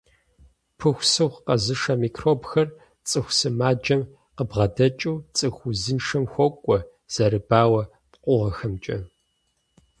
Пыхусыху къэзышэ микробхэр цӀыху сымаджэм къыбгъэдэкӀыу цӀыху узыншэм хуокӀуэ зэрыбауэ пкъыгъуэхэмкӀэ.